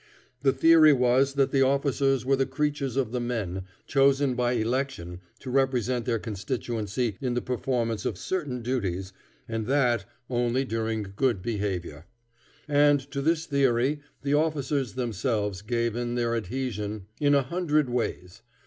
The theory was that the officers were the creatures of the men, chosen by election to represent their constituency in the performance of certain duties, and that only during good behavior. And to this theory the officers themselves gave in their adhesion in a hundred ways.